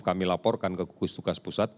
kami laporkan ke gugus tugas pusat